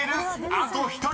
あと１人］